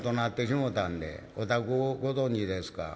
お宅ご存じですか？」。